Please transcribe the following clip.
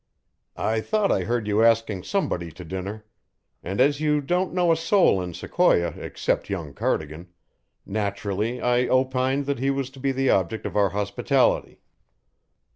"I thought I heard you asking somebody to dinner, and as you don't know a soul in Sequoia except young Cardigan, naturally I opined that he was to be the object of our hospitality."